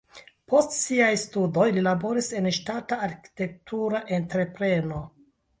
Post siaj studoj li laboris en ŝtata arkitektura entrepreno.